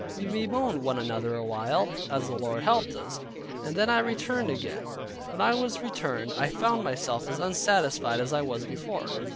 We bemoaned one another a while, as the Lord helped us, and then I returned again. When I was returned, I found myself as unsatisfied as I was before.